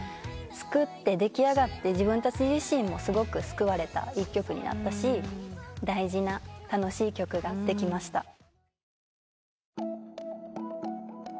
作って出来上がって自分たち自身もすごく救われた１曲になったし大事な楽しい曲ができました。